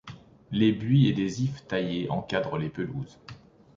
Les buis et des ifs taillés encadrent les pelouses.